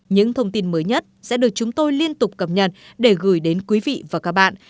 những thông tin mới nhất sẽ được chúng tôi liên tục cập nhật để gửi đến quý vị và các bạn